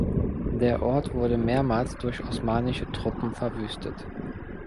Der Ort wurde mehrmals durch osmanische Truppen verwüstet.